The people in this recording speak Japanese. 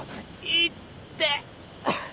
いって！